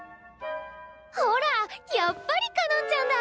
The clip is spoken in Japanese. ほらやっぱりかのんちゃんだ！